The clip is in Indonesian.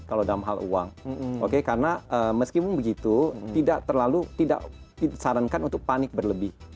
kalau dalam hal uang oke karena meskipun begitu tidak terlalu tidak disarankan untuk panik berlebih